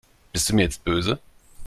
Bist du mir jetzt böse?